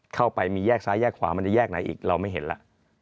เข้าไปมีแยกซ้ายแยกขวามันจะแยกไหนอีกเราไม่เห็นแล้ว